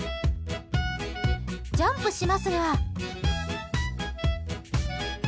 ジャンプしますが。